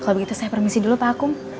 kalau begitu saya permisi dulu pakum